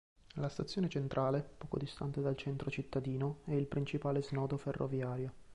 La Stazione Centrale, poco distante dal centro cittadino, è il principale snodo ferroviario.